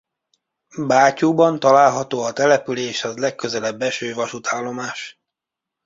Bátyúban található a településhez legközelebb eső vasútállomás.